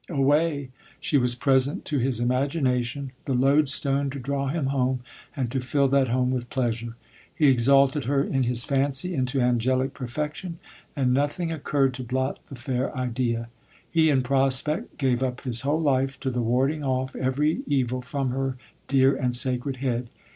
Away, she was present to his imagination, the loadstone to draw him home, and to fill that home with pleasure. He exalted her in his fancy into angelic perfection, and nothing oc curred to blot the fair idea. He in prospect gave up his whole life to the warding off every evil from her dear and sacred head.